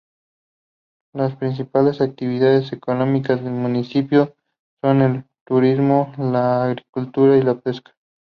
Las principales actividades económicas del municipio son el turismo, la agricultura y la pesca.